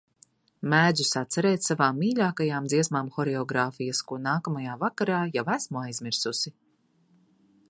Mēdzu sacerēt savām mīļākajām dziesmām horeogrāfijas, ko nākamajā vakarā jau esmu aizmirsusi.